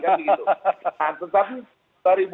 kan begitu tapi